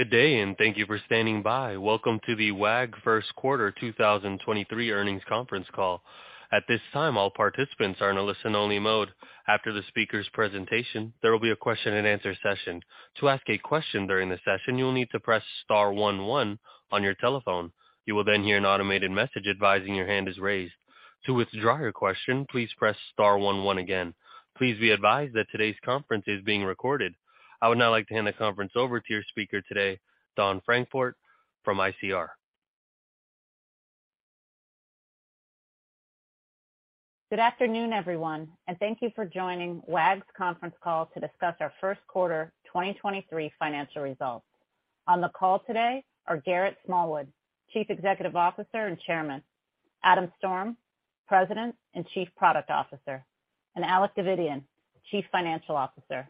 Good day. Thank you for standing by. Welcome to the Wag! first quarter 2023 earnings conference call. At this time, all participants are in a listen-only mode. After the speaker's presentation, there will be a question-and-answer session. To ask a question during the session, you will need to press star one one on your telephone. You will hear an automated message advising your hand is raised. To withdraw your question, please press star one one again. Please be advised that today's conference is being recorded. I would now like to hand the conference over to your speaker today, Dawn Francfort from ICR. Good afternoon, everyone, and thank you for joining Wag!'s conference call to discuss our first quarter 2023 financial results. On the call today are Garrett Smallwood, Chief Executive Officer and Chairman, Adam Storm, President and Chief Product Officer, and Alec Davidian, Chief Financial Officer.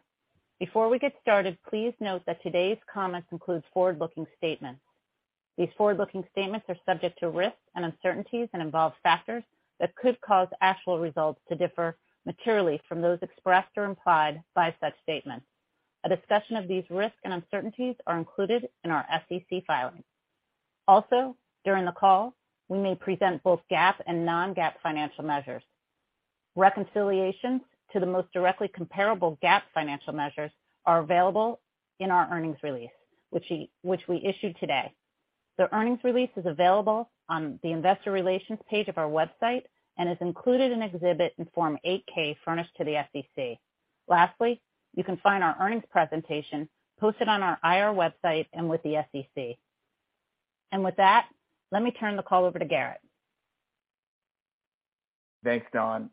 Before we get started, please note that today's comments include forward-looking statements. These forward-looking statements are subject to risks and uncertainties and involve factors that could cause actual results to differ materially from those expressed or implied by such statements. A discussion of these risks and uncertainties are included in our SEC filings. During the call, we may present both GAAP and non-GAAP financial measures. Reconciliations to the most directly comparable GAAP financial measures are available in our earnings release, which we issued today. The earnings release is available on the investor relations page of our website and is included in Exhibit in Form 8-K furnished to the SEC. Lastly, you can find our earnings presentation posted on our IR website and with the SEC. With that, let me turn the call over to Garrett. Thanks, Dawn.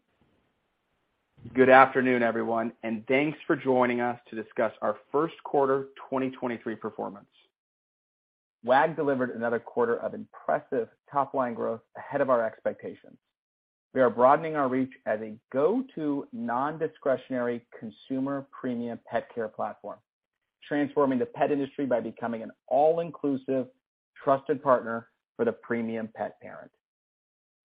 Good afternoon, everyone, and thanks for joining us to discuss our first quarter 2023 performance. Wag! delivered another quarter of impressive top-line growth ahead of our expectations. We are broadening our reach as a go-to non-discretionary consumer premium pet care platform, transforming the pet industry by becoming an all-inclusive trusted partner for the premium pet parent.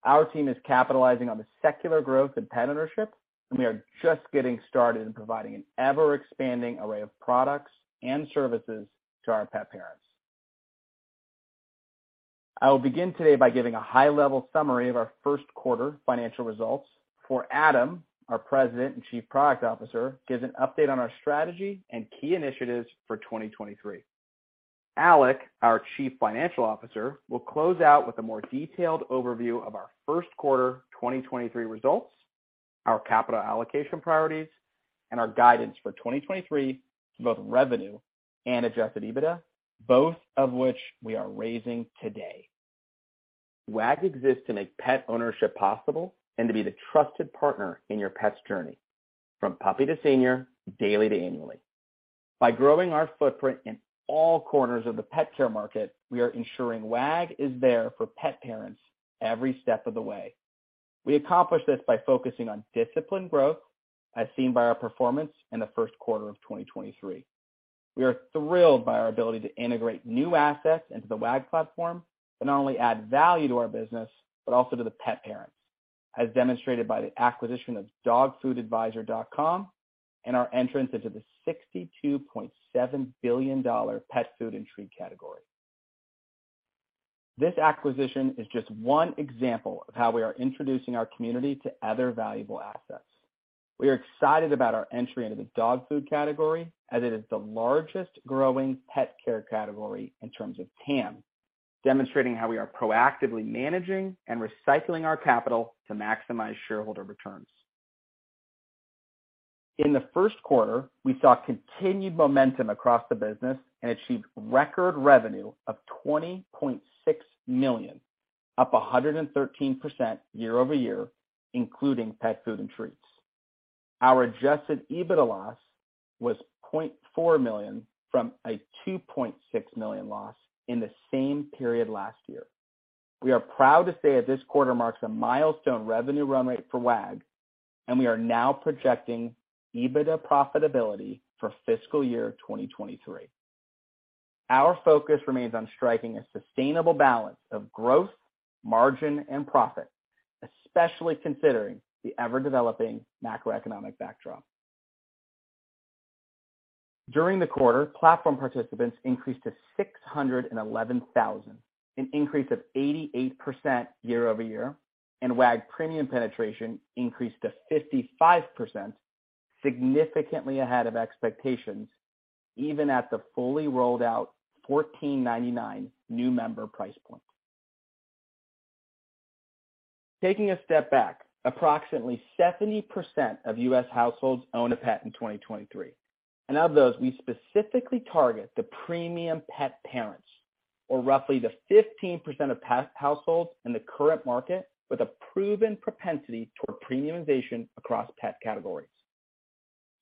Our team is capitalizing on the secular growth in pet ownership, and we are just getting started in providing an ever-expanding array of products and services to our pet parents. I will begin today by giving a high-level summary of our first quarter financial results. For Adam, our President and Chief Product Officer, gives an update on our strategy and key initiatives for 2023. Alec, our Chief Financial Officer, will close out with a more detailed overview of our first quarter 2023 results, our capital allocation priorities, and our guidance for 2023 for both revenue and adjusted EBITDA, both of which we are raising today. Wag! exists to make pet ownership possible and to be the trusted partner in your pet's journey, from puppy to senior, daily to annually. By growing our footprint in all corners of the pet care market, we are ensuring Wag! is there for pet parents every step of the way. We accomplish this by focusing on disciplined growth, as seen by our performance in the first quarter of 2023. We are thrilled by our ability to integrate new assets into the Wag! platform to not only add value to our business, but also to the pet parents, as demonstrated by the acquisition of dogfoodadvisor.com and our entrance into the $62.7 billion pet food and treat category. This acquisition is just one example of how we are introducing our community to other valuable assets. We are excited about our entry into the dog food category, as it is the largest growing pet care category in terms of TAM, demonstrating how we are proactively managing and recycling our capital to maximize shareholder returns. In the first quarter, we saw continued momentum across the business and achieved record revenue of $20.6 million, up 113% year-over-year, including pet food and treats. Our adjusted EBITDA loss was $0.4 million from a $2.6 million loss in the same period last year. We are proud to say that this quarter marks a milestone revenue run rate for Wag!, we are now projecting EBITDA profitability for fiscal year 2023. Our focus remains on striking a sustainable balance of growth, margin, and profit, especially considering the ever-developing macroeconomic backdrop. During the quarter, platform participants increased to 611,000, an increase of 88% year-over-year, Wag! Premium penetration increased to 55%, significantly ahead of expectations, even at the fully rolled out $14.99 new member price point. Taking a step back, approximately 70% of U.S. households own a pet in 2023, and of those, we specifically target the premium pet parents or roughly the 15% of pet households in the current market with a proven propensity toward premiumization across pet categories.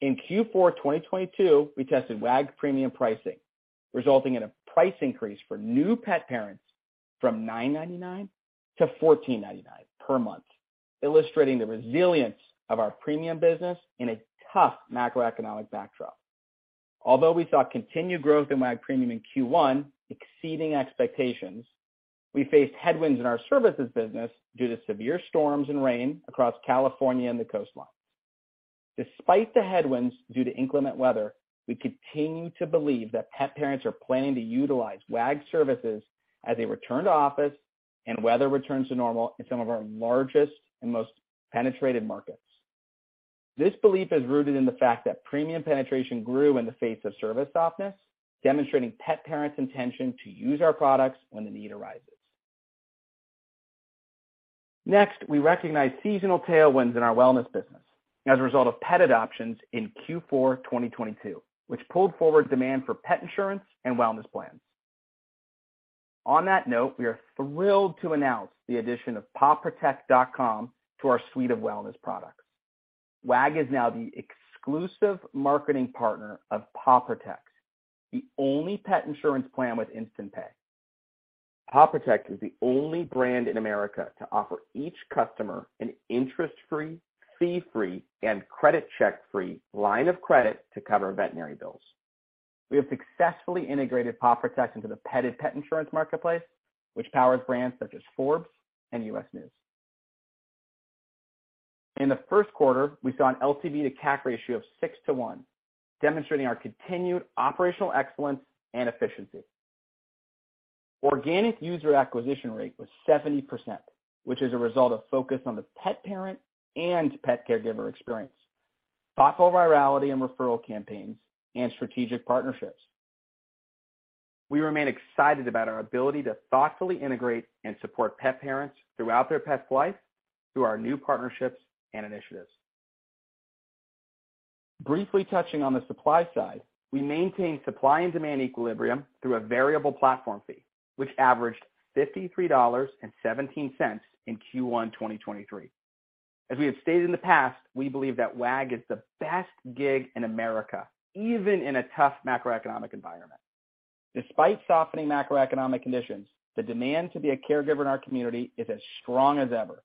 In Q4 of 2022, we tested Wag! Premium pricing, resulting in a price increase for new pet parents from $9.99 to $14.99 per month, illustrating the resilience of our premium business in a tough macroeconomic backdrop. Although we saw continued growth in Wag! Premium in Q1, exceeding expectations, we faced headwinds in our services business due to severe storms and rain across California and the coastline. Despite the headwinds due to inclement weather, we continue to believe that pet parents are planning to utilize Wag! services as they return to office and weather returns to normal in some of our largest and most penetrated markets. This belief is rooted in the fact that premium penetration grew in the face of service softness, demonstrating pet parents' intention to use our products when the need arises. We recognize seasonal tailwinds in our wellness business as a result of pet adoptions in Q4 2022, which pulled forward demand for pet insurance and wellness plans. On that note, we are thrilled to announce the addition of pawprotect.com to our suite of wellness products. Wag! is now the exclusive marketing partner of Paw Protect, the only pet insurance plan with InstantPay. Paw Protect is the only brand in America to offer each customer an interest-free, fee-free, and credit check-free line of credit to cover veterinary bills. We have successfully integrated Paw Protect into the Petted pet insurance marketplace, which powers brands such as Forbes and U.S. News. In the first quarter, we saw an LTV to CAC ratio of six to one, demonstrating our continued operational excellence and efficiency. Organic user acquisition rate was 70%, which is a result of focus on the pet parent and pet caregiver experience, thoughtful virality and referral campaigns, and strategic partnerships. We remain excited about our ability to thoughtfully integrate and support pet parents throughout their pet's life through our new partnerships and initiatives. Briefly touching on the supply side, we maintain supply and demand equilibrium through a variable platform fee, which averaged $53.17 in Q1 2023. As we have stated in the past, we believe that Wag! is the best gig in America, even in a tough macroeconomic environment. Despite softening macroeconomic conditions, the demand to be a caregiver in our community is as strong as ever.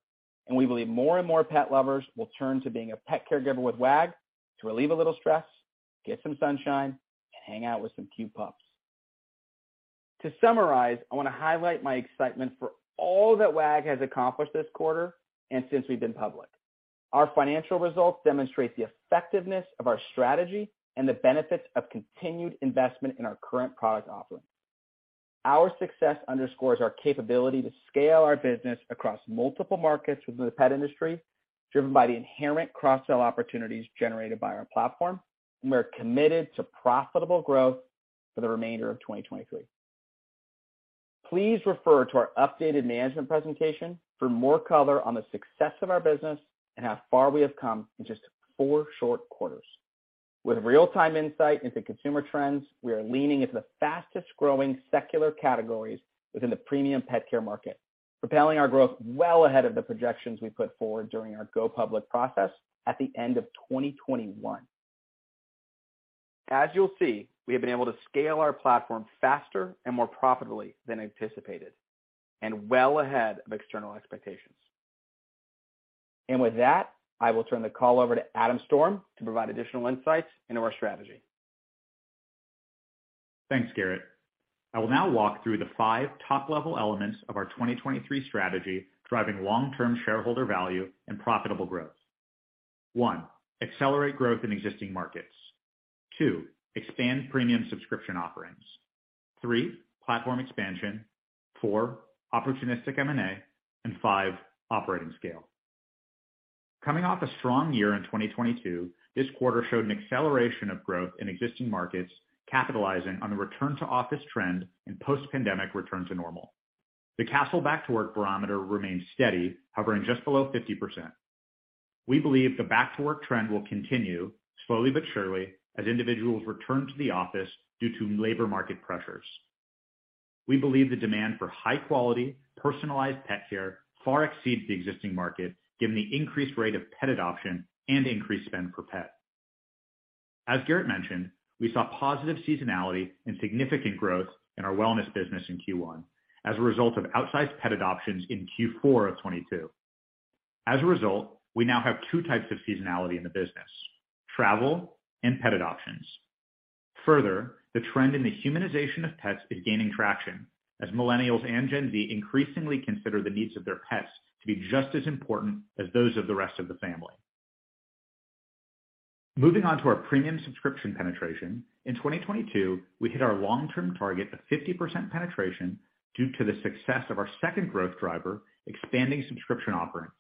We believe more and more pet lovers will turn to being a pet caregiver with Wag! to relieve a little stress, get some sunshine, and hang out with some cute pups. To summarize, I want to highlight my excitement for all that Wag! has accomplished this quarter and since we've been public. Our financial results demonstrate the effectiveness of our strategy and the benefits of continued investment in our current product offerings. Our success underscores our capability to scale our business across multiple markets within the pet industry, driven by the inherent cross-sell opportunities generated by our platform. We're committed to profitable growth for the remainder of 2023. Please refer to our updated management presentation for more color on the success of our business and how far we have come in just four short quarters. With real-time insight into consumer trends, we are leaning into the fastest-growing secular categories within the premium pet care market, propelling our growth well ahead of the projections we put forward during our go public process at the end of 2021. As you'll see, we have been able to scale our platform faster and more profitably than anticipated and well ahead of external expectations. With that, I will turn the call over to Adam Storm to provide additional insights into our strategy. Thanks, Garrett. I will now walk through the five top-level elements of our 2023 strategy driving long-term shareholder value and profitable growth. One, accelerate growth in existing markets. Two, expand premium subscription offerings. Three, platform expansion. Four, opportunistic M&A. Five, operating scale. Coming off a strong year in 2022, this quarter showed an acceleration of growth in existing markets, capitalizing on the return to office trend and post-pandemic return to normal. The Kastle Back to Work Barometer remains steady, hovering just below 50%. We believe the back-to-work trend will continue, slowly but surely, as individuals return to the office due to labor market pressures. We believe the demand for high-quality, personalized pet care far exceeds the existing market, given the increased rate of pet adoption and increased spend per pet. As Garrett mentioned, we saw positive seasonality and significant growth in our wellness business in Q1 as a result of outsized pet adoptions in Q4 of 2022. As a result, we now have two types of seasonality in the business, travel and pet adoptions. Further, the trend in the humanization of pets is gaining traction as Millennials and Gen Z increasingly consider the needs of their pets to be just as important as those of the rest of the family. Moving on to our premium subscription penetration, in 2022 we hit our long-term target of 50% penetration due to the success of our second growth driver, expanding subscription offerings.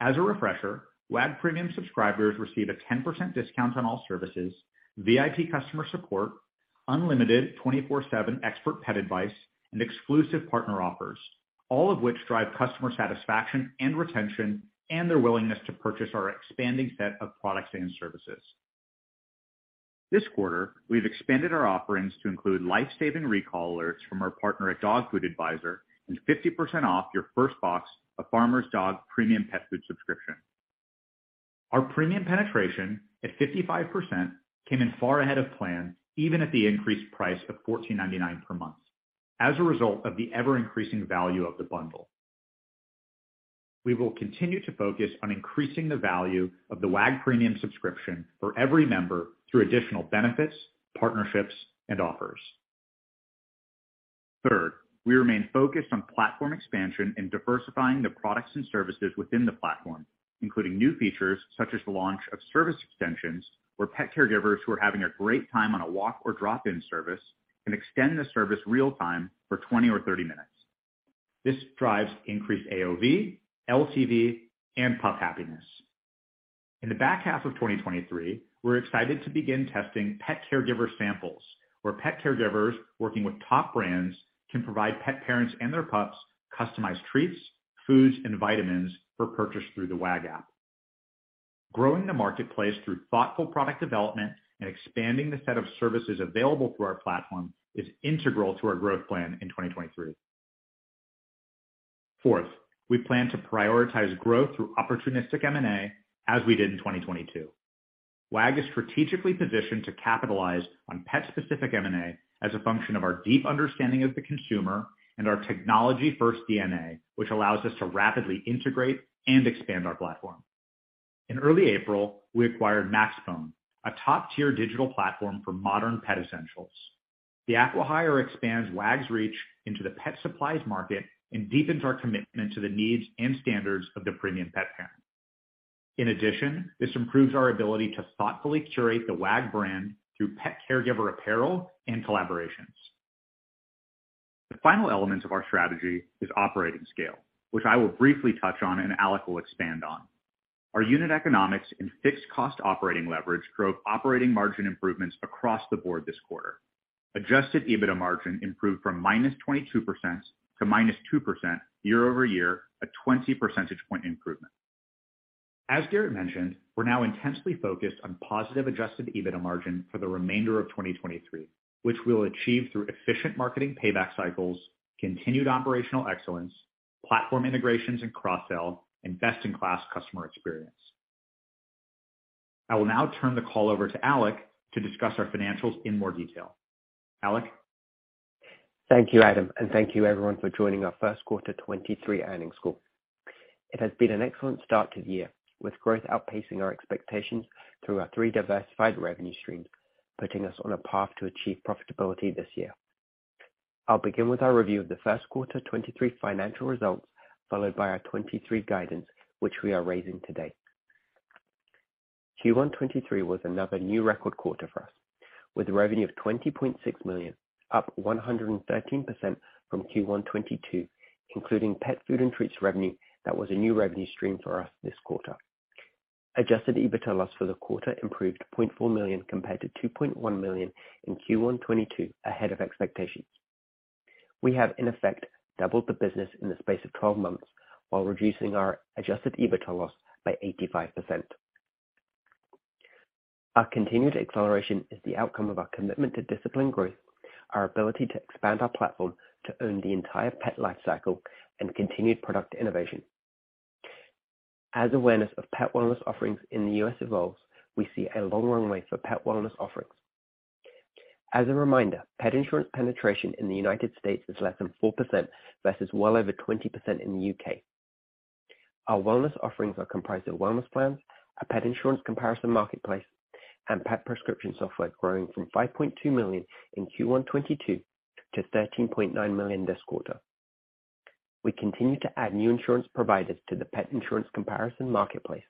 As a refresher, Wag! Premium subscribers receive a 10% discount on all services, VIP customer support, unlimited 24/7 expert pet advice, and exclusive partner offers, all of which drive customer satisfaction and retention and their willingness to purchase our expanding set of products and services. This quarter, we've expanded our offerings to include life-saving recall alerts from our partner at Dog Food Advisor and 50% off your first box of Farmer's Dog premium pet food subscription. Our premium penetration at 55% came in far ahead of plan, even at the increased price of $14.99 per month, as a result of the ever-increasing value of the bundle. We will continue to focus on increasing the value of the Wag! Premium subscription for every member through additional benefits, partnerships, and offers. Third, we remain focused on platform expansion and diversifying the products and services within the platform, including new features such as the launch of service extensions, where pet caregivers who are having a great time on a walk or drop-in service can extend the service real-time for 20 or 30 minutes. This drives increased AOV, LTV, and pup happiness. In the back half of 2023, we're excited to begin testing pet caregiver samples, where pet caregivers working with top brands can provide pet parents and their pups customized treats, foods, and vitamins for purchase through the Wag! app. Growing the marketplace through thoughtful product development and expanding the set of services available through our platform is integral to our growth plan in 2023. Fourth, we plan to prioritize growth through opportunistic M&A as we did in 2022. Wag! is strategically positioned to capitalize on pet-specific M&A as a function of our deep understanding of the consumer and our technology-first DNA, which allows us to rapidly integrate and expand our platform. In early April, we acquired maxbone, a top-tier digital platform for modern pet essentials. The acquire expands Wag!'s reach into the pet supplies market and deepens our commitment to the needs and standards of the premium pet parent. In addition, this improves our ability to thoughtfully curate the Wag! brand through pet caregiver apparel and collaborations. The final element of our strategy is operating scale, which I will briefly touch on and Alec will expand on. Our unit economics and fixed cost operating leverage drove operating margin improvements across the board this quarter. Adjusted EBITDA margin improved from -22% to -2% year-over-year, a 20 percentage point improvement. As Garrett mentioned, we're now intensely focused on positive adjusted EBITDA margin for the remainder of 2023, which we'll achieve through efficient marketing payback cycles, continued operational excellence, platform integrations and cross-sell, and best-in-class customer experience. I will now turn the call over to Alec to discuss our financials in more detail. Alec? Thank you, Adam, and thank you everyone for joining our first quarter 2023 earnings call. It has been an excellent start to the year, with growth outpacing our expectations through our 3 diversified revenue streams, putting us on a path to achieve profitability this year. I'll begin with our review of the first quarter 2023 financial results, followed by our 2023 guidance, which we are raising today. Q1 2023 was another new record quarter for us, with revenue of $20.6 million, up 113% from Q1 2022, including pet food and treats revenue that was a new revenue stream for us this quarter. Adjusted EBITDA loss for the quarter improved $0.4 million compared to $2.1 million in Q1 2022, ahead of expectations. We have in effect doubled the business in the space of 12 months while reducing our adjusted EBITDA loss by 85%. Our continued acceleration is the outcome of our commitment to disciplined growth, our ability to expand our platform to own the entire pet life cycle, and continued product innovation. As awareness of pet wellness offerings in the U.S. evolves, we see a long runway for pet wellness offerings. As a reminder, pet insurance penetration in the United States is less than 4% versus well over 20% in the U.K.. Our wellness offerings are comprised of wellness plans, a pet insurance comparison marketplace, and pet prescription software growing from $5.2 million in Q1 2022 to $13.9 million this quarter. We continue to add new insurance providers to the pet insurance comparison marketplace,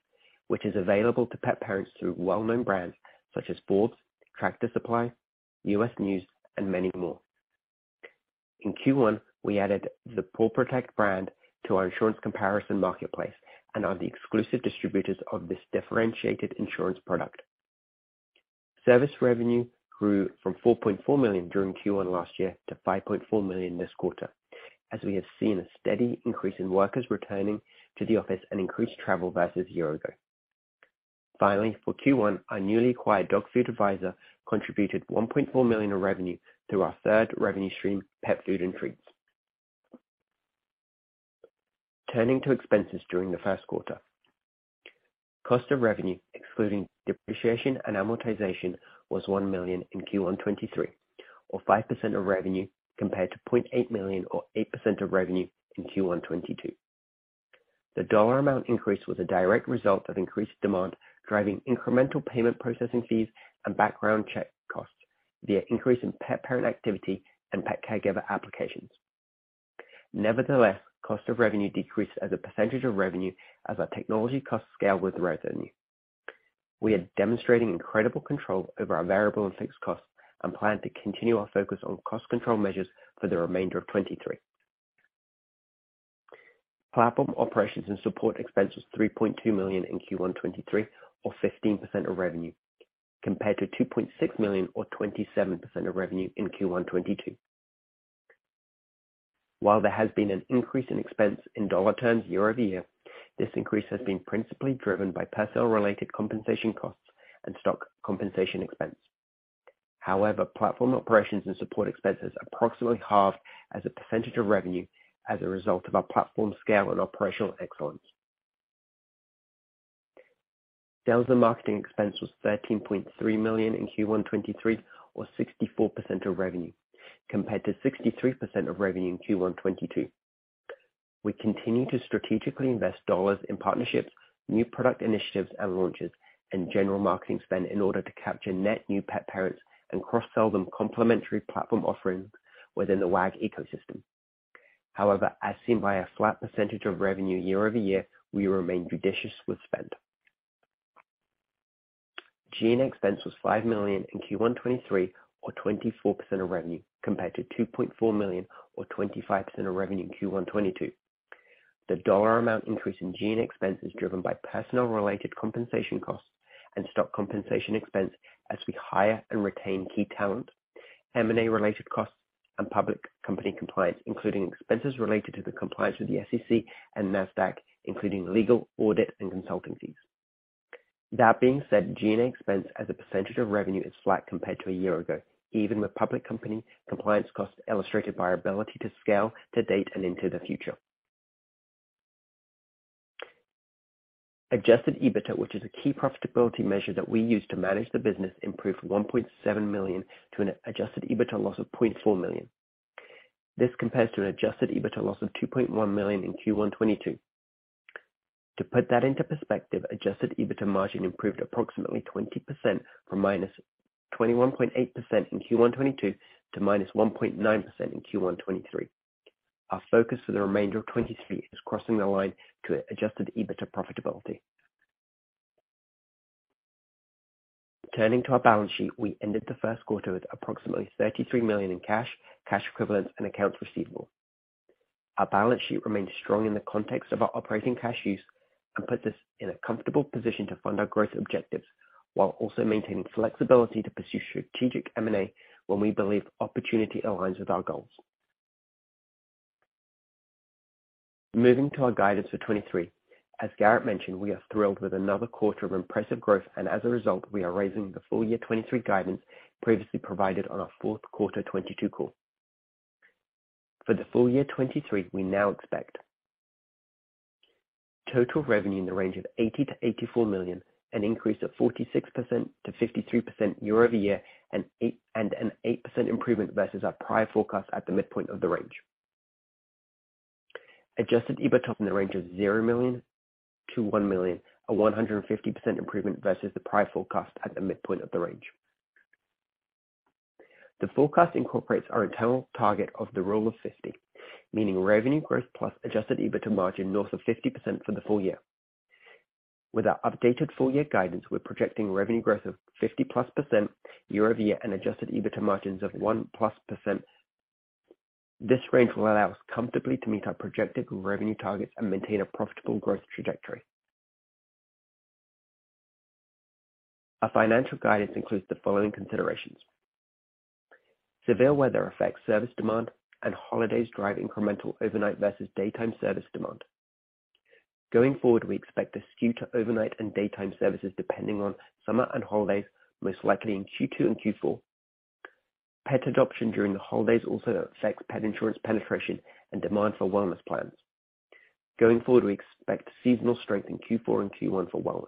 which is available to pet parents through well-known brands such as Forbes, Tractor Supply, U.S. News, and many more. In Q1, we added the Paw Protect brand to our insurance comparison marketplace and are the exclusive distributors of this differentiated insurance product. Service revenue grew from $4.4 million during Q1 last year to $5.4 million this quarter, as we have seen a steady increase in workers returning to the office and increased travel versus a year-ago. Finally, for Q1, our newly acquired Dog Food Advisor contributed $1.4 million in revenue through our third revenue stream, pet food and treats. Turning to expenses during the first quarter, cost of revenue, excluding depreciation and amortization, was $1 million in Q1 2023 or 5% of revenue compared to $0.8 million or 8% of revenue in Q1 2022. The dollar amount increase was a direct result of increased demand, driving incremental payment processing fees and background check costs via increase in pet parent activity and pet caregiver applications. Cost of revenue decreased as a percentage of revenue as our technology costs scale with revenue. We are demonstrating incredible control over our variable and fixed costs and plan to continue our focus on cost control measures for the remainder of 2023. Platform operations and support expenses $3.2 million in Q1 2023 or 15% of revenue, compared to $2.6 million or 27% of revenue in Q1 2022. While there has been an increase in expense in dollar terms year-over-year, this increase has been principally driven by personnel-related compensation costs and stock compensation expense. However, platform operations and support expenses approximately half as a percentage of revenue as a result of our platform scale and operational excellence. Sales and marketing expense was $13.3 million in Q1 2023 or 64% of revenue, compared to 63% of revenue in Q1 2022. We continue to strategically invest dollars in partnerships, new product initiatives and launches, and general marketing spend in order to capture net new pet parents and cross-sell them complementary platform offerings within the Wag! Ecosystem. However, as seen by a flat percentage of revenue year-over-year, we remain judicious with spend. G&A expense was $5 million in Q1 2023 or 24% of revenue, compared to $2.4 million or 25% of revenue in Q1 2022. The dollar amount increase in G&A expense is driven by personnel-related compensation costs and stock compensation expense as we hire and retain key talent, M&A-related costs and public company compliance, including expenses related to the compliance with the SEC and Nasdaq, including legal, audit, and consulting fees. That being said, G&A expense as a percentage of revenue is flat compared to a year ago, even with public company compliance costs illustrated by our ability to scale to date and into the future. Adjusted EBITDA, which is a key profitability measure that we use to manage the business, improved $1.7 million to an adjusted EBITDA loss of $0.4 million. This compares to an adjusted EBITDA loss of $2.1 million in Q1 2022. To put that into perspective, adjusted EBITDA margin improved approximately 20% from -21.8% in Q1 2022 to -1.9% in Q1 2023. Our focus for the remainder of 2023 is crossing the line to adjusted EBITDA profitability. Turning to our balance sheet, we ended the first quarter with approximately $33 million in cash equivalents and accounts receivable. Our balance sheet remains strong in the context of our operating cash use and puts us in a comfortable position to fund our growth objectives while also maintaining flexibility to pursue strategic M&A when we believe opportunity aligns with our goals. Moving to our guidance for 2023. As Garrett mentioned, we are thrilled with another quarter of impressive growth. As a result, we are raising the full-year 2023 guidance previously provided on our fourth quarter 2022 call. For the full-year 2023, we now expect total revenue in the range of $80 million-$84 million, an increase of 46%-52% year-over-year, an 8% improvement versus our prior forecast at the midpoint of the range. Adjusted EBITDA in the range of $0 million-$1 million, a 150% improvement versus the prior forecast at the midpoint of the range. The forecast incorporates our internal target of the rule of 50, meaning revenue growth plus adjusted EBITDA margin north of 50% for the full year. With our updated full-year guidance, we're projecting revenue growth of 50%+ year-over-year and adjusted EBITDA margins of 1%+. This range will allow us comfortably to meet our projected revenue targets and maintain a profitable growth trajectory. Our financial guidance includes the following considerations. Severe weather affects service demand, and holidays drive incremental overnight versus daytime service demand. Going forward, we expect a skew to overnight and daytime services depending on summer and holidays, most likely in Q2 and Q4. Pet adoption during the holidays also affects pet insurance penetration and demand for wellness plans. Going forward, we expect seasonal strength in Q4 and Q1 for wellness.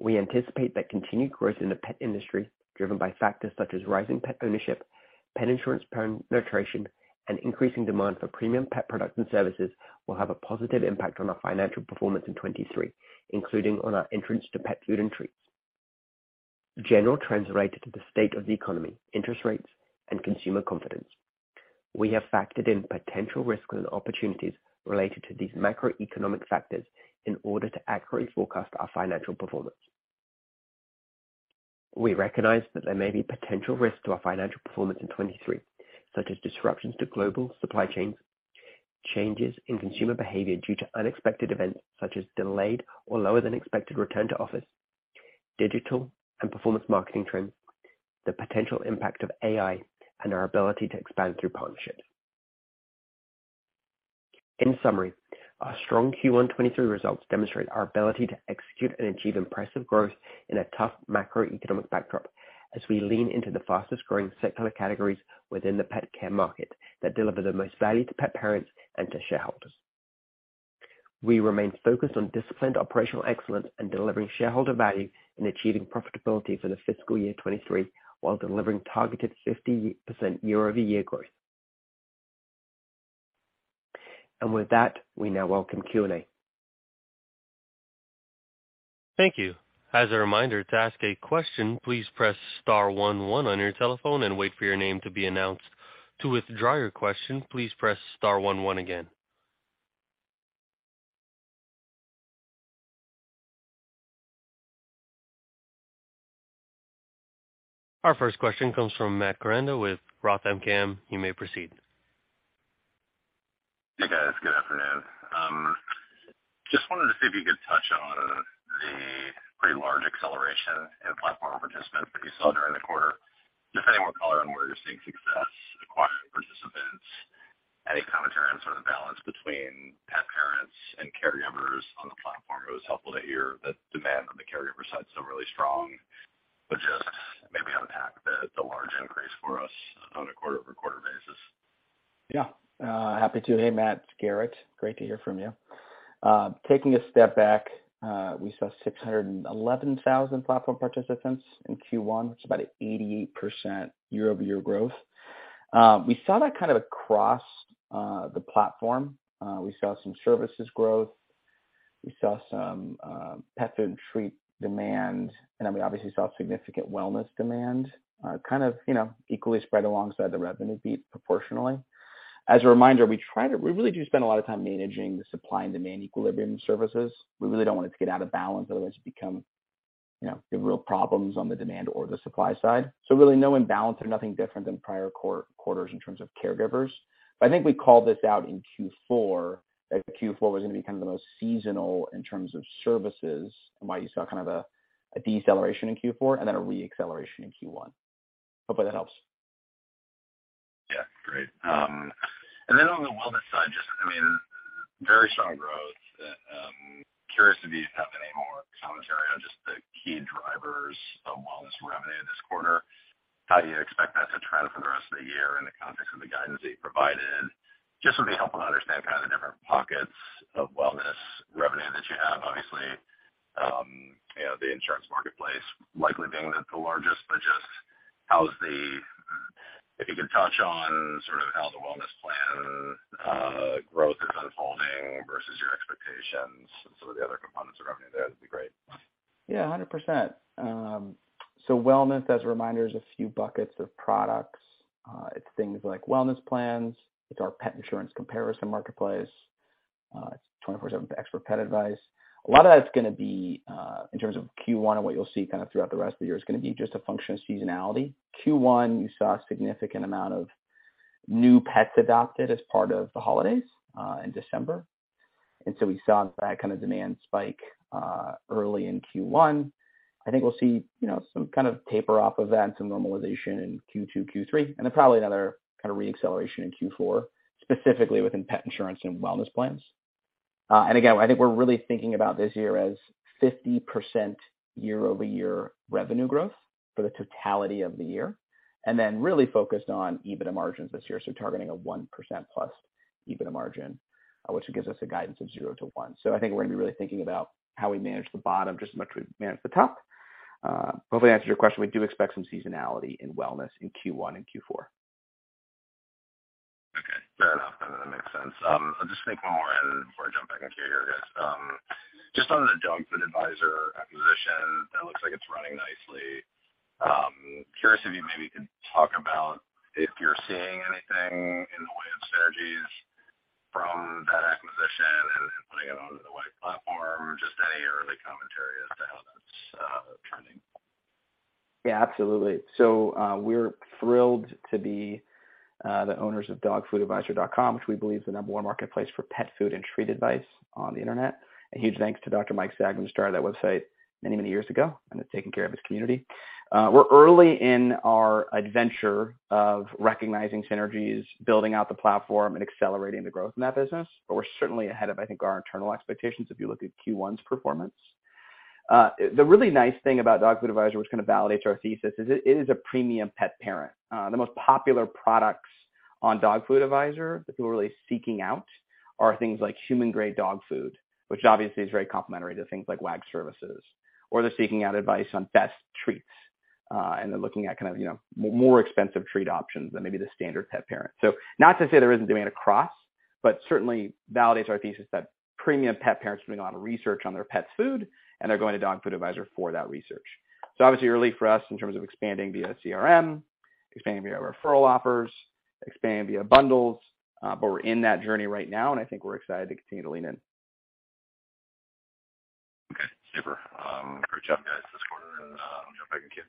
We anticipate that continued growth in the pet industry, driven by factors such as rising pet ownership, pet insurance penetration, and increasing demand for premium pet products and services, will have a positive impact on our financial performance in 2023, including on our entrance to pet food and treats. General trends related to the state of the economy, interest rates, and consumer confidence. We have factored in potential risks and opportunities related to these macroeconomic factors in order to accurately forecast our financial performance. We recognize that there may be potential risks to our financial performance in 2023, such as disruptions to global supply chains, changes in consumer behavior due to unexpected events such as delayed or lower than expected return to office, digital and performance marketing trends, the potential impact of AI, and our ability to expand through partnerships. In summary, our strong Q1 2023 results demonstrate our ability to execute and achieve impressive growth in a tough macroeconomic backdrop as we lean into the fastest-growing secular categories within the pet care market that deliver the most value to pet parents and to shareholders. We remain focused on disciplined operational excellence and delivering shareholder value in achieving profitability for the fiscal year 2023, while delivering targeted 50% year-over-year growth. With that, we now welcome Q&A. Thank you. As a reminder to ask a question, please press star one one on your telephone and wait for your name to be announced. To withdraw your question, please press star one one again. Our first question comes from Matt Koranda with Roth MKM. You may proceed. Hey, guys. Good afternoon. Just wanted to see if you could touch on the pretty large acceleration in platform participants that you saw during the quarter, and if any more color on where you're seeing success acquiring participants, any commentary on sort of the balance between pet parents and caregivers on the platform. It was helpful to hear that demand on the caregiver side is still really strong, but just maybe unpack the large increase for us on a quarter-over-quarter basis. Yeah, happy to. Hey, Matt, it's Garrett. Great to hear from you. Taking a step back, we saw 611,000 platform participants in Q1. That's about 88% year-over-year growth. We saw that kind of across the platform. We saw some services growth. We saw some pet food and treat demand, we obviously saw significant wellness demand, kind of, you know, equally spread alongside the revenue beat proportionally. As a reminder, we really do spend a lot of time managing the supply and demand equilibrium services. We really don't want it to get out of balance, otherwise you become, you know, get real problems on the demand or the supply side. Really no imbalance or nothing different than prior quarters in terms of caregivers. I think we called this out in Q4, that Q4 was gonna be kind of the most seasonal in terms of services and why you saw kind of a deceleration in Q4 and then a re-acceleration in Q1. Hopefully that helps. Yeah, great. On the wellness side, just, I mean, very strong growth. Curious if you have any more commentary on just the key drivers of wellness revenue this quarter. How do you expect that to trend for the rest of the year in the context of the guidance that you provided? Just would be helpful to understand kind of the different pockets of wellness revenue that you have. Obviously, you know, the insurance marketplace likely being the largest. Just if you could touch on sort of how the wellness plan growth is unfolding versus your expectations and some of the other components of revenue there, that'd be great. Yeah, 100%. Wellness, as a reminder, is a few buckets of products. It's things like wellness plans. It's our pet insurance comparison marketplace. It's 24/7 expert pet advice. A lot of that's gonna be in terms of Q1 and what you'll see kinda throughout the rest of the year, is gonna be just a function of seasonality. Q1, you saw a significant amount of new pets adopted as part of the holidays in December, we saw that kind of demand spike early in Q1. I think we'll see, you know, some kind of taper off events and normalization in Q2, Q3, probably another kinda re-acceleration in Q4, specifically within pet insurance and wellness plans. Again, I think we're really thinking about this year as 50% year-over-year revenue growth for the totality of the year, then really focused on EBITDA margins this year, targeting a 1%+ EBITDA margin, which gives us a guidance of 0%-1%. I think we're gonna be really thinking about how we manage the bottom just as much as we manage the top. Hopefully I answered your question. We do expect some seasonality in wellness in Q1 and Q4. Okay, fair enough. No, that makes sense. I'll just make one more and before I jump back into queue here guys. Just on the Dog Food Advisor acquisition, that looks like it's running nicely. Curious if you maybe could talk about if you're seeing anything in the way of synergies from that acquisition and putting it onto the Wag! platform or just any early commentary as to how that's trending. Absolutely. We're thrilled to be the owners of dogfoodadvisor.com, which we believe is the number one marketplace for pet food and treat advice on the internet. A huge thanks to Dr. Mike Sagman, who started that website many, many years ago, and has taken care of his community. We're early in our adventure of recognizing synergies, building out the platform, and accelerating the growth in that business, but we're certainly ahead of, I think, our internal expectations if you look at Q1's performance. The really nice thing about Dog Food Advisor which kinda validates our thesis is it is a premium pet parent. The most popular products on Dog Food Advisor that people are really seeking out are things like human grade dog food, which obviously is very complimentary to things like Wag! services, or they're seeking out advice on best treats, and they're looking at kind of, you know, more expensive treat options than maybe the standard pet parent. Not to say there isn't demand across, but certainly validates our thesis that premium pet parents doing a lot of research on their pet's food and they're going to Dog Food Advisor for that research. Obviously early for us in terms of expanding via CRM, expanding via referral offers, expanding via bundles, but we're in that journey right now, and I think we're excited to continue to lean in. Okay, super. Great job guys this quarter, I'll jump back in queue.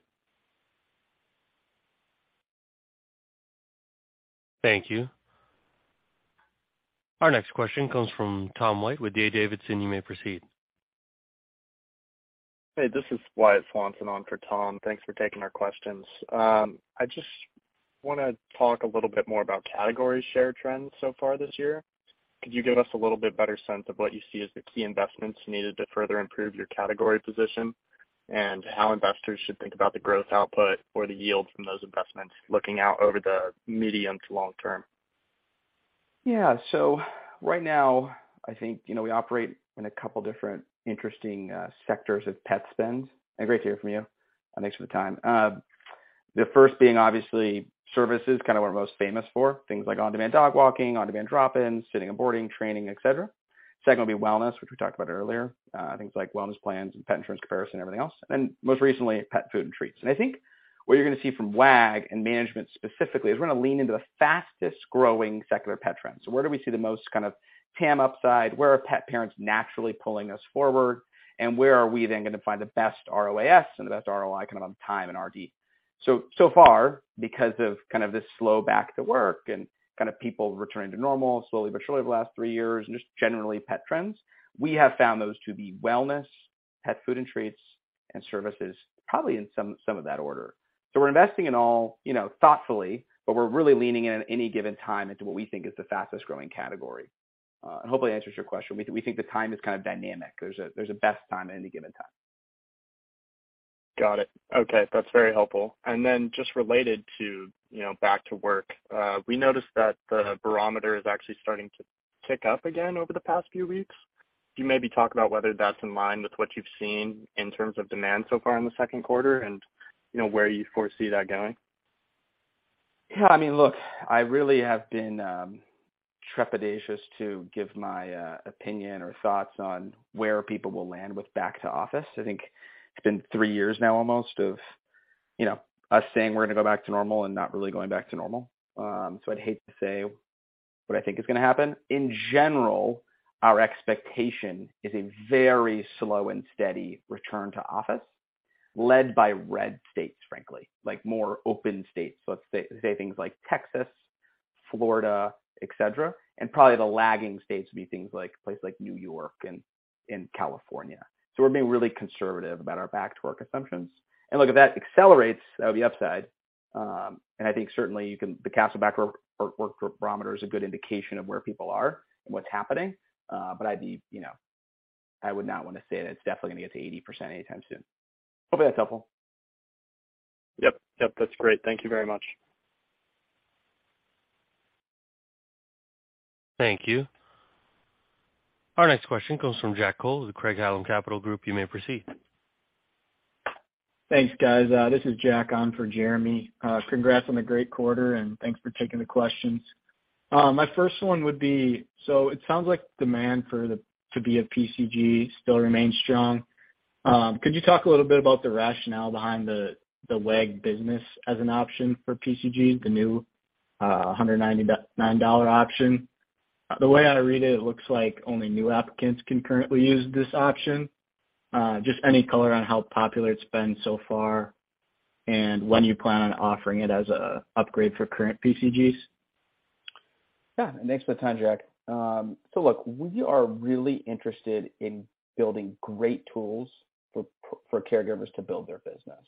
Thank you. Our next question comes from Tom White with D.A. Davidson. You may proceed. Hey, this is Wyatt Swanson on for Tom. Thanks for taking our questions. I just wanna talk a little bit more about category share trends so far this year. Could you give us a little bit better sense of what you see as the key investments needed to further improve your category position? How investors should think about the growth output or the yield from those investments looking out over the medium to long term? Right now I think, you know, we operate in a couple different interesting sectors of pet spend. Great to hear from you, and thanks for the time. The first being obviously services, kind of what we're most famous for, things like on-demand dog walking, on-demand drop-ins, sitting and boarding, training, et cetera. Second would be wellness, which we talked about earlier, things like wellness plans and pet insurance comparison, everything else. Most recently, pet food and treats. I think what you're gonna see from Wag! and management specifically is we're gonna lean into the fastest growing secular pet trends. Where do we see the most kind of TAM upside? Where are pet parents naturally pulling us forward? Where are we then gonna find the best ROAS and the best ROI kind of on time and R&D? So far because of kind of this slow back to work and people returning to normal slowly but surely over the last three years and just generally pet trends, we have found those to be wellness, pet food and treats, and services probably in some of that order. We're investing in all, you know, thoughtfully, but we're really leaning in at any given time into what we think is the fastest growing category. Hopefully that answers your question. We think the time is kind of dynamic. There's a best time at any given time. Got it. Okay, that's very helpful. Just related to, you know, Back to Work, we noticed that the Barometer is actually starting to tick up again over the past few weeks. Can you maybe talk about whether that's in line with what you've seen in terms of demand so far in the second quarter and, you know, where you foresee that going? Yeah, I mean, look, I really have been trepidatious to give my opinion or thoughts on where people will land with back to office. I think it's been three years now almost of, you know, us saying we're gonna go back to normal and not really going back to normal. I'd hate to say what I think is gonna happen. In general, our expectation is a very slow and steady return to office, led by red states, frankly, like more open states, so let's say things like Texas, Florida, et cetera. Probably the lagging states would be things like places like New York and California. We're being really conservative about our back-to-work assumptions. Look, if that accelerates, that would be upside. I think certainly you can... The Kastle Back to Work Barometer is a good indication of where people are and what's happening, but I'd be, you know, I would not wanna say that it's definitely gonna get to 80% anytime soon. Hopefully that's helpful. Yep, that's great. Thank you very much. Thank you. Our next question comes from Jack Cole with Craig-Hallum Capital Group. You may proceed. Thanks, guys. This is Jack on for Jeremy. Congrats on the great quarter, thanks for taking the questions. My first one would be, it sounds like demand to be a PCG still remains strong. Could you talk a little bit about the rationale behind the Wag! business as an option for PCG, the new $199 option? The way I read it looks like only new applicants can currently use this option. Just any color on how popular it's been so far when you plan on offering it as a upgrade for current PCGs. Yeah. Thanks for the time, Jack. Look, we are really interested in building great tools for caregivers to build their business.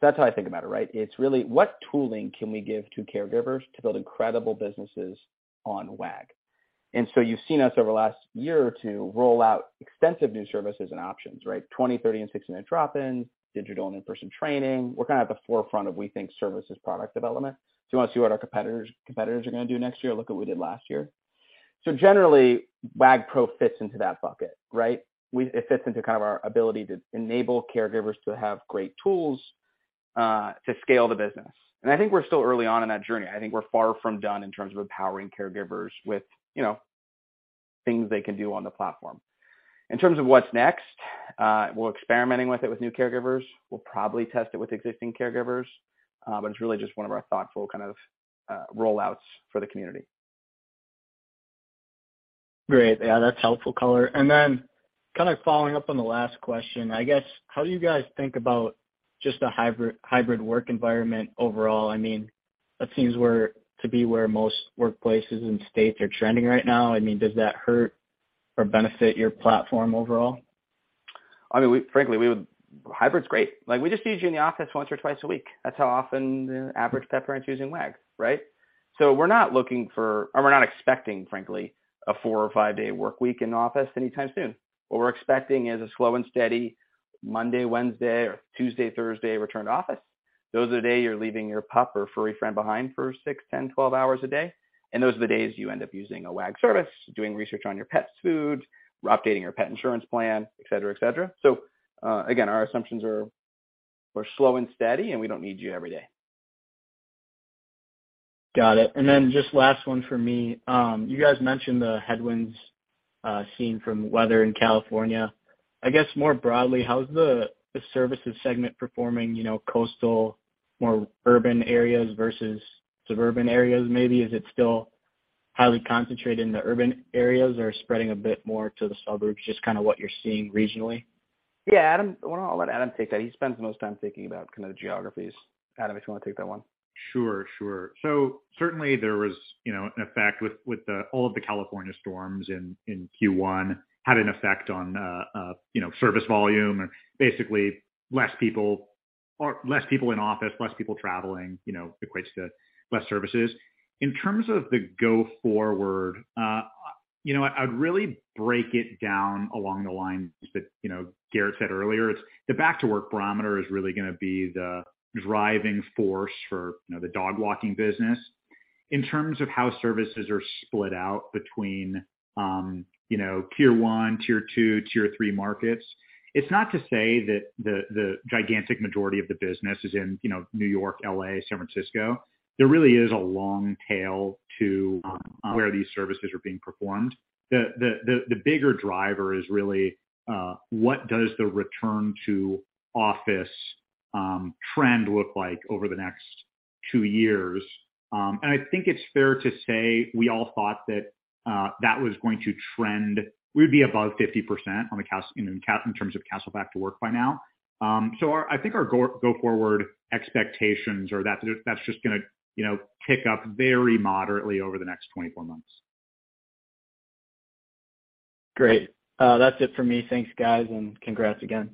That's how I think about it, right? It's really what tooling can we give to caregivers to build incredible businesses on Wag!? You've seen us over the last one or two years roll out extensive new services and options, right? 20, 30, and 60-minute drop-ins, digital and in-person training. We're kinda at the forefront of, we think, services product development. You wanna see what our competitors are gonna do next year, look at what we did last year. Generally, Wag! Pro fits into that bucket, right? It fits into kind of our ability to enable caregivers to have great tools to scale the business. I think we're still early on in that journey. I think we're far from done in terms of empowering caregivers with, you know, things they can do on the platform. In terms of what's next, we're experimenting with it with new caregivers. We'll probably test it with existing caregivers, but it's really just one of our thoughtful kind of, rollouts for the community. Great. Yeah, that's helpful color. Then kinda following up on the last question, I guess, how do you guys think about just the hybrid work environment overall? I mean, that seems we're to be where most workplaces and states are trending right now. I mean, does that hurt or benefit your platform overall? I mean, frankly, Hybrid's great. Like, we just need you in the office once or twice a week. That's how often the average pet parent's using Wag!, right? We're not expecting, frankly, a four- or five-day workweek in the office anytime soon. What we're expecting is a slow and steady Monday, Wednesday or Tuesday, Thursday return to office. Those are the day you're leaving your pup or furry friend behind for six, 10, 12 hours a day, and those are the days you end up using a Wag! service, doing research on your pet's food, updating your pet insurance plan, et cetera, et cetera. Again, our assumptions are we're slow and steady, and we don't need you every day. Got it. Then just last one for me. You guys mentioned the headwinds, seen from weather in California. I guess more broadly, how's the services segment performing, you know, coastal, more urban areas versus suburban areas, maybe? Is it still highly concentrated in the urban areas or spreading a bit more to the suburbs, just kinda what you're seeing regionally? Yeah. Adam. Why don't I let Adam take that? He spends the most time thinking about kind of the geographies. Adam, if you wanna take that one. Sure, sure. Certainly there was, you know, an effect with all of the California storms in Q1 had an effect on, you know, service volume and basically less people in office, less people traveling, you know, equates to less services. In terms of the go forward, you know what? I would really break it down along the lines that, you know, Garrett said earlier. It's the Back to Work Barometer is really gonna be the driving force for, you know, the dog walking business. In terms of how services are split out between, you know, tier one, tier two, tier three markets, it's not to say that the gigantic majority of the business is in, you know, New York, L.A., San Francisco. There really is a long tail to where these services are being performed. The bigger driver is really what does the return to office trend look like over the next two years. I think it's fair to say we all thought that that was going to trend, we'd be above 50% on the, you know, in terms of Kastle Back to Work by now. Our, I think our go-forward expectations are that's just gonna, you know, pick up very moderately over the next 24 months. Great. That's it for me. Thanks, guys, and congrats again.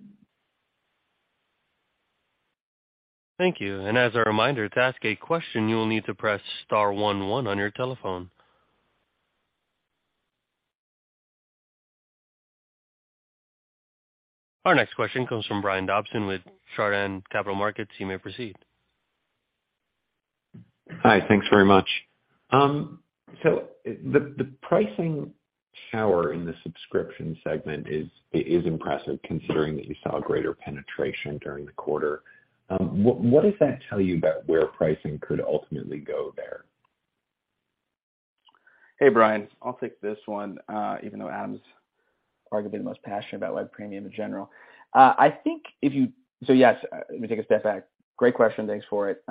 Thank you. As a reminder, to ask a question, you will need to press star one one on your telephone. Our next question comes from Brian Dobson with Chardan Capital Markets. You may proceed. Hi. Thanks very much. The pricing power in the subscription segment, it is impressive considering that you saw greater penetration during the quarter. What does that tell you about where pricing could ultimately go there? Hey, Brian. I'll take this one, even though Adam's arguably the most passionate about Wag! Premium in general. Yes, let me take a step back. Great question. Thanks for it.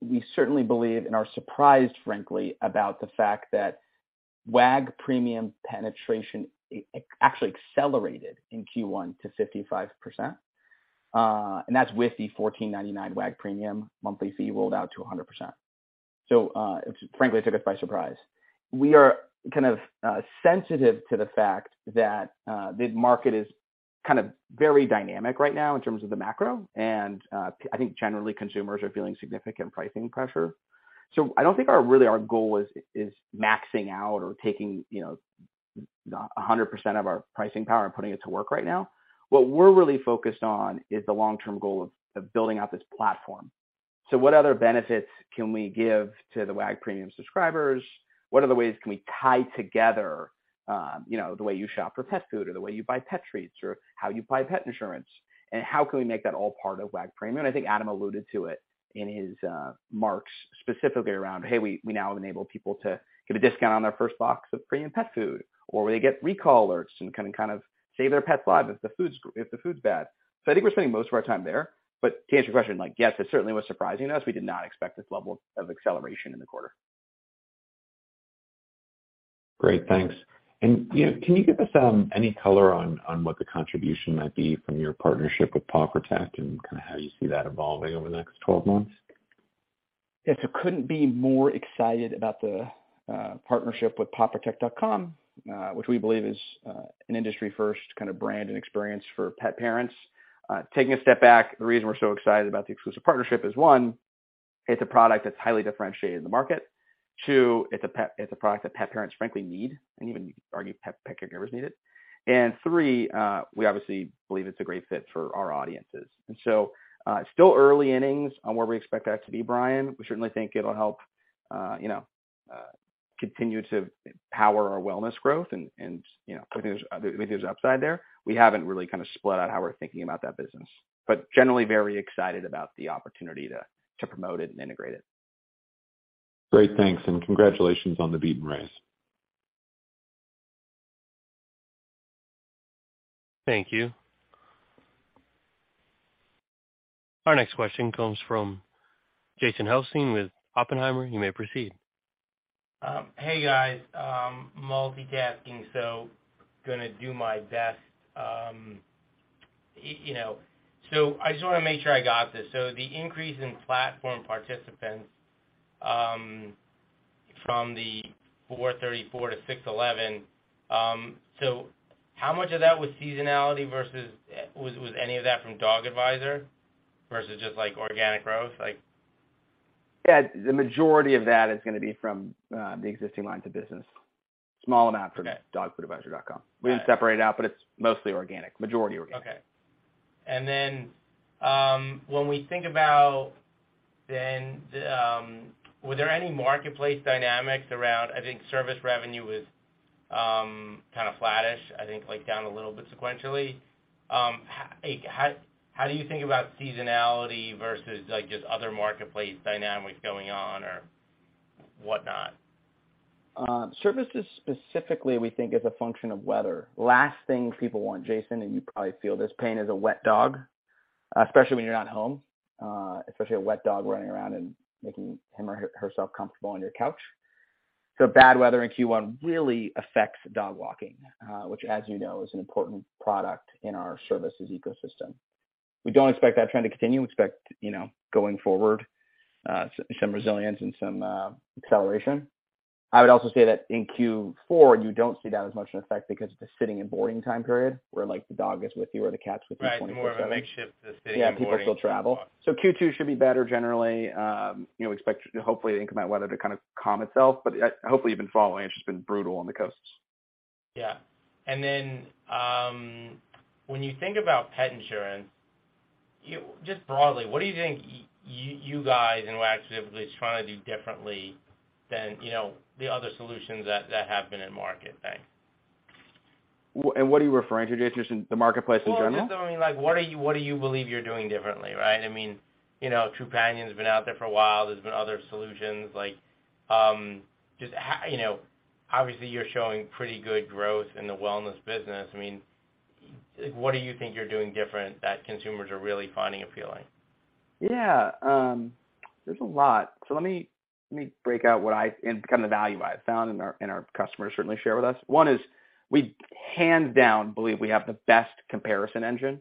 We certainly believe and are surprised, frankly, about the fact that Wag! Premium penetration actually accelerated in Q1 to 55%. And that's with the $14.99 Wag! Premium monthly fee rolled out to 100%. Frankly, it took us by surprise. We are kind of sensitive to the fact that the market is kind of very dynamic right now in terms of the macro, and I think generally consumers are feeling significant pricing pressure. I don't think our, really, our goal is maxing out or taking, you know, 100% of our pricing power and putting it to work right now. What we're really focused on is the long-term goal of building out this platform. What other benefits can we give to the Wag! Premium subscribers? What other ways can we tie together, you know, the way you shop for pet food or the way you buy pet treats or how you buy pet insurance, and how can we make that all part of Wag! Premium? I think Adam alluded to it in his marks specifically around, hey, we now have enabled people to get a discount on their first box of premium pet food, or they get recall alerts and can kind of save their pets live if the food's bad. I think we're spending most of our time there. To answer your question like, yes, it certainly was surprising us. We did not expect this level of acceleration in the quarter. Great. Thanks. You know, can you give us any color on what the contribution might be from your partnership with Paw Protect and kind of how you see that evolving over the next 12 months? Yes. Couldn't be more excited about the partnership with pawprotect.com, which we believe is an industry first kind of brand and experience for pet parents. Taking a step back, the reason we're so excited about the exclusive partnership is, one, it's a product that's highly differentiated in the market. Two, it's a product that pet parents frankly need, and even you could argue pet caregivers need it. Three, we obviously believe it's a great fit for our audiences. It's still early innings on where we expect that to be, Brian. We certainly think it'll help, you know, continue to power our wellness growth, and, you know, we think there's upside there. We haven't really kinda split out how we're thinking about that business. Generally very excited about the opportunity to promote it and integrate it. Great. Thanks, and congratulations on the beaten raise. Thank you. Our next question comes from Jason Helfstein with Oppenheimer. You may proceed. Hey, guys. Multitasking, so gonna do my best. You know, so I just wanna make sure I got this. The increase in platform participants from the 434 to 611, so how much of that was seasonality versus was any of that from Dog Food Advisor versus just, like, organic growth? Yeah. The majority of that is gonna be from the existing lines of business. Small amount from dogfoodadvisor.com. We didn't separate it out, but it's mostly organic. Majority organic. Okay. When we think about then, were there any marketplace dynamics around, I think service revenue was, kinda flattish, I think, like, down a little bit sequentially. Like, how do you think about seasonality versus, like, just other marketplace dynamics going on or whatnot? Services specifically we think is a function of weather. Last thing people want, Jason, and you probably feel this pain, is a wet dog, especially when you're not home, especially a wet dog running around and making him or herself comfortable on your couch. Bad weather in Q1 really affects dog walking, which as you know is an important product in our services ecosystem. We don't expect that trend to continue. We expect, you know, going forward, some resilience and some acceleration. I would also say that in Q4, you don't see that as much in effect because of the sitting and boarding time period, where, like, the dog is with you or the cat's with you 24/7. Right. More of a makeshift sitting and boarding. Yeah, people still travel. Q2 should be better generally. you know, expect hopefully the inclement weather to kind of calm itself, but hopefully you've been following, it's just been brutal on the coasts. Yeah. When you think about pet insurance, just broadly, what do you think you guys and Wag! specifically is trying to do differently than, you know, the other solutions that have been in market thanks? What are you referring to, Jason, just in the marketplace in general? Well, just, I mean, like, what are you, what do you believe you're doing differently, right? I mean, you know, Trupanion's been out there for a while. There's been other solutions. Like, just you know, obviously you're showing pretty good growth in the wellness business. I mean, like, what do you think you're doing different that consumers are really finding appealing? Yeah. There's a lot. Let me break out what I, and kind of the value I've found and our customers certainly share with us. One is we hands down believe we have the best comparison engine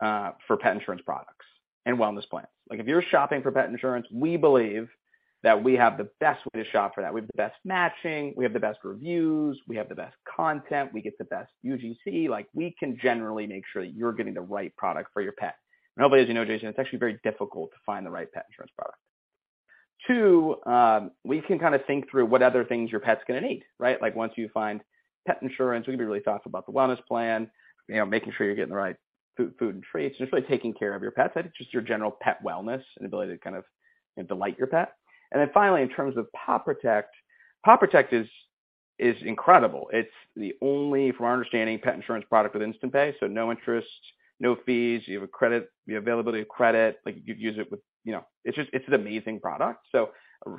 for pet insurance products and wellness plans. Like, if you're shopping for pet insurance, we believe that we have the best way to shop for that. We have the best matching. We have the best reviews. We have the best content. We get the best UGC. Like, we can generally make sure that you're getting the right product for your pet. Hopefully, as you know, Jason, it's actually very difficult to find the right pet insurance product. Two, we can kinda think through what other things your pet's gonna need, right? Like, once you find pet insurance, we can be really thoughtful about the wellness plan, you know, making sure you're getting the right food and treats, and just really taking care of your pet, right? Just your general pet wellness and ability to kind of, you know, delight your pet. Finally, in terms of Paw Protect is incredible. It's the only, from our understanding, pet insurance product with InstantPay, so no interest, no fees. You have availability of credit. You know, it's just, it's an amazing product,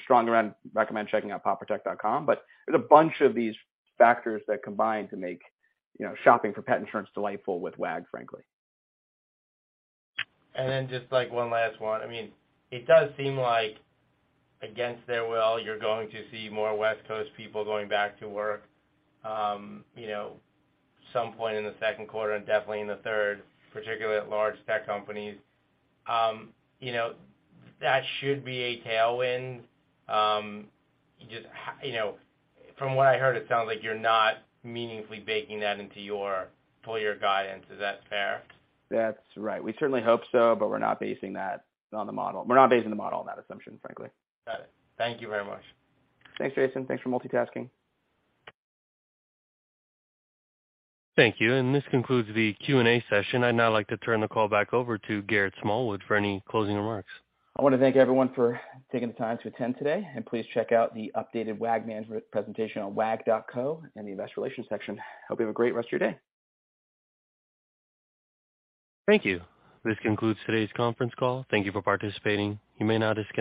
strongly recommend checking out pawprotect.com. There's a bunch of these factors that combine to make, you know, shopping for pet insurance delightful with Wag!, frankly. Just, like, one last one. I mean, it does seem like against their will, you're going to see more West Coast people going back to work, you know, some point in the second quarter and definitely in the third, particularly at large tech companies. You know, that should be a tailwind. Just, you know, from what I heard, it sounds like you're not meaningfully baking that into your full year guidance. Is that fair? That's right. We certainly hope so, we're not basing that on the model. We're not basing the model on that assumption, frankly. Got it. Thank you very much. Thanks, Jason. Thanks for multitasking. Thank you. This concludes the Q&A session. I'd now like to turn the call back over to Garrett Smallwood for any closing remarks. I want to thank everyone for taking the time to attend today. Please check out the updated Wag! management presentation on wag.co in the investor relations section. Hope you have a great rest of your day. Thank you. This concludes today's conference call. Thank you for participating. You may now disconnect.